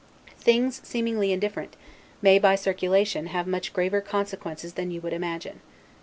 Things, seemingly indifferent, may, by circulation, have much graver consequences than you would imagine.